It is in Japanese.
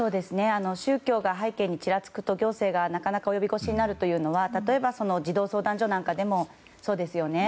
宗教が背景にちらつくと行政がなかなか及び腰になるというのは例えば、児童相談所なんかでもそうですよね。